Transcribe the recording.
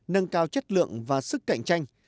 nâng cao chất lượng và sức cạnh tranh